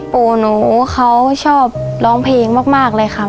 ปู่หนูเขาชอบร้องเพลงมากเลยค่ะ